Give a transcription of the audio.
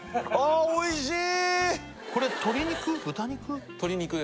あおいしい！